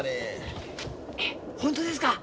えっ本当ですか。